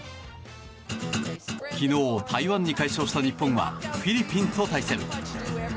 昨日、台湾に快勝した日本はフィリピンと対戦。